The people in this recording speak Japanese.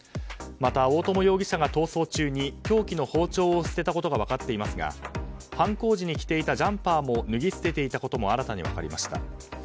また、大友容疑者が逃走中に凶器の包丁を捨てたことが分かっていますが犯行時に着ていたジャンパーも脱ぎ捨てていたことが新たに分かりました。